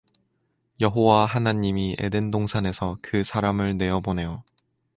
여호와 하나님이 에덴동산에서 그 사람을 내어 보내어